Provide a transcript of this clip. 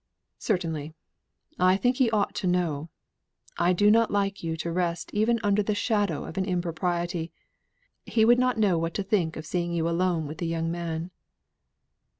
"Certainly. I think he ought to know. I do not like you to rest even under a shadow of an impropriety; he would not know what to think of seeing you alone with a young man."